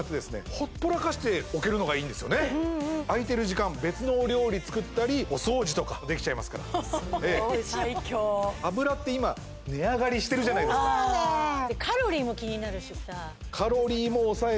ほっぽらかしておけるのがいいんですよね空いてる時間別のお料理作ったりお掃除とかできちゃいますからすごい最強そうやねんカロリーも気になるしさ